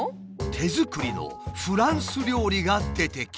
手作りのフランス料理が出てきた。